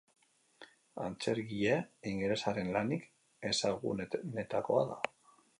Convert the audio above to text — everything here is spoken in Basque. Antzerkigile ingelesaren lanik ezagunenetakoa da.